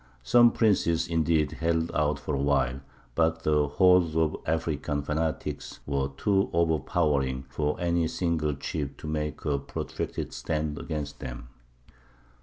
Some princes, indeed, held out for a while, but the hordes of African fanatics were too overpowering for any single chief to make a protracted stand against them.